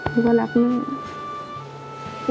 ประหลักมานี่